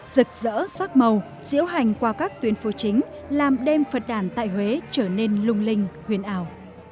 rực rỡ sắc màu diễu hành qua các tuyến phố chính làm đêm phật đàn tại huế trở nên lung linh huyền ảo